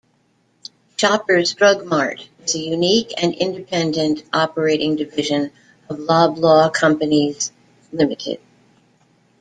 Shoppers Drug Mart is a unique and independent operating division of Loblaw Companies Limited.